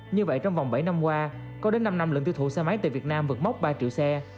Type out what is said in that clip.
như vậy trong vòng bảy năm qua có đến năm năm lượng tiêu thụ xe máy tại việt nam vượt mốc ba triệu xe